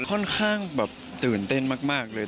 ค่อนข้างแบบตื่นเต้นมากเลย